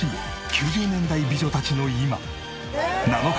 ９０年代美女たちの今。